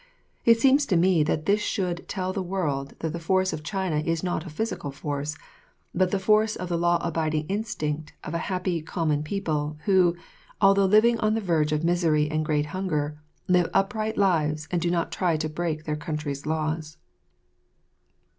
It seems to me that this should tell the world that the force of China is not a physical force, but the force of the law abiding instinct of a happy common people, who, although living on the verge of misery and great hunger, live upright lives and do not try to break their country's laws.